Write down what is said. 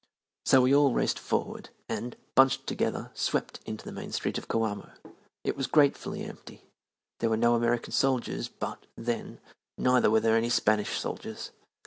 So we all raced forward and, bunched together, swept into the main street of Coamo. It was gratefully empty. There were no American soldiers, but, then, neither were there any Spanish soldiers.